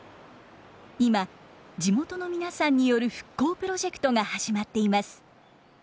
今地元の皆さんによる復興プロジェクトが始まっています。